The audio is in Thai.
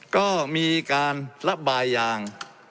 ก็มีการระบายยาง